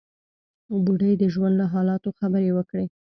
بوډۍ د ژوند له حالاتو خبرې وکړې.